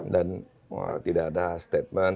dan tidak ada statement